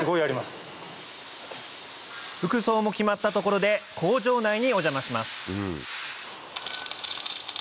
服装も決まったところで工場内にお邪魔します